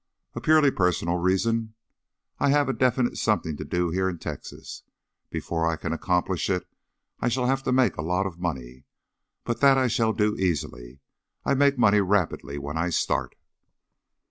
"A purely personal reason. I have a definite something to do here in Texas. Before I can accomplish it, I shall have to make a lot of money, but that I shall do easily. I make money rapidly when I start."